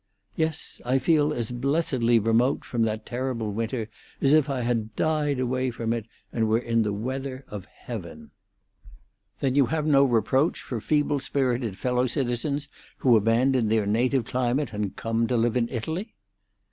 Yes, I feel as blessedly remote from that terrible winter as if I had died away from it, and were in the weather of heaven." "Then you have no reproach for feeble spirited fellow citizens who abandon their native climate and come to live in Italy?"